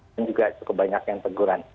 dan juga cukup banyak yang teguran